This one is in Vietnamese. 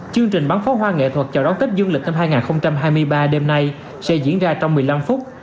chương trình bắn phóng hoa nghệ thuật chào đón tết dương lịch năm hai nghìn hai mươi ba đêm nay sẽ diễn ra trong một mươi năm phút